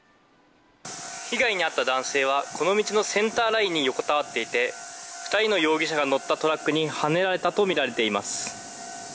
被害に遭った男性はこの道のセンターラインに横たわっていて２人の容疑者が乗ったトラックにはねられたとみられています。